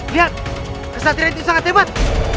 lihat kesatria itu sangat hebat